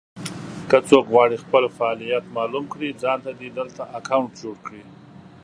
که څوک غواړي خپل فعالیت مالوم کړي ځانته دې دلته اکونټ جوړ کړي.